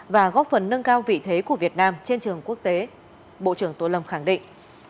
và góp phần nâng cao vị thế của việt nam trên trường quốc tế bộ trưởng tô lâm khẳng định